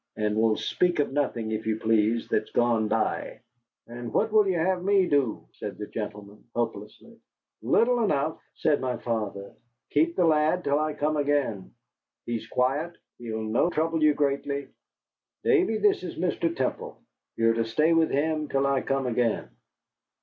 "And we'll speak of nothing, if you please, that's gone by." "And what will you have me do?" said the gentleman, helplessly. "Little enough," said my father. "Keep the lad till I come again. He's quiet. He'll no trouble you greatly. Davy, this is Mr. Temple. You're to stay with him till I come again."